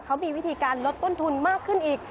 เขามีวิธีการลดต้นทุนมากขึ้นอีก